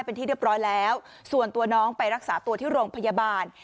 เป็นที่เรียบร้อยแล้วส่วนตัวน้องไปรักษาตัวที่โรงพยาบาล